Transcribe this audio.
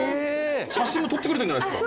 写真撮ってくれてるじゃないですか。